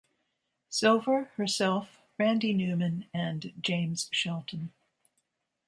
Silver, herself, Randy Newman, and James Shelton.